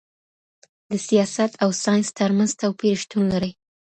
د سیاست او ساینس ترمنځ توپیر شتون لري.